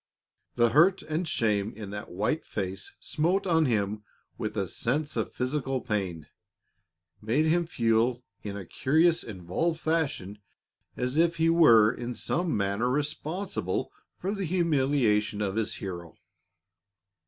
The hurt and shame in that white face smote on him with a sense of physical pain, made him feel in a curious, involved fashion as if he were in some manner responsible for the humiliation of his hero.